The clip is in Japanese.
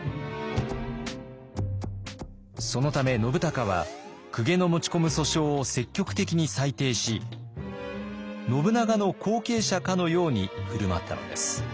そのため信孝は公家の持ち込む訴訟を積極的に裁定し信長の後継者かのように振る舞ったのです。